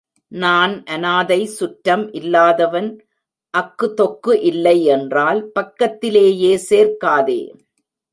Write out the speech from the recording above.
நான் அநாதை சுற்றம் இல்லாதவன் அக்குதொக்கு இல்லை என்றால் பக்கத்திலேயே சேர்க்காதே.